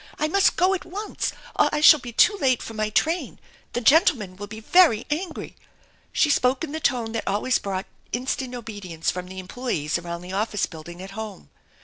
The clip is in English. I must ^o at once or I shall be too late for my train ! The gentleman will be very angry !" She spoke in the tone that always brought instant obedience from the employees around the office building at home.